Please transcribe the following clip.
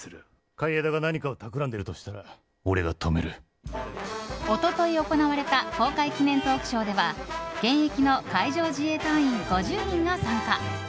海江田が何かを企んでるとしたら一昨日行われた公開記念トークショーでは現役の海上自衛隊員５０人が参加。